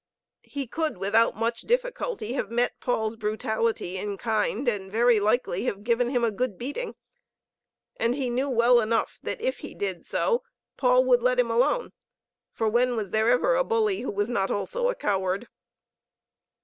He could, without much difficulty, have met Paul's brutality in kind, and very likely have given him a good beating. And he knew well enough that if he did so, Paul would let him alone. For when was there ever a bully who was not also a coward?